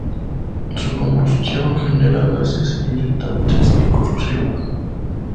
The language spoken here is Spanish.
Su combustión genera gases irritantes y corrosivos.